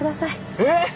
えっ？